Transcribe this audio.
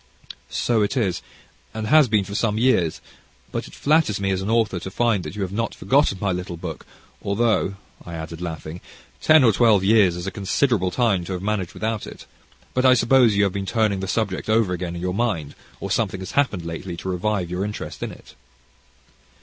"So it is, and has been for some years; but it flatters me as an author to find that you have not forgotten my little book, although," I added, laughing, "ten or twelve years is a considerable time to have managed without it; but I suppose you have been turning the subject over again in your mind, or something has happened lately to revive your interest in it."